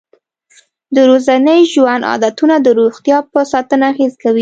د ورځني ژوند عادتونه د روغتیا په ساتنه اغېزه کوي.